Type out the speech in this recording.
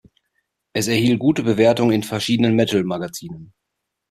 Es erhielt gute Bewertungen in verschiedenen Metal-Magazinen.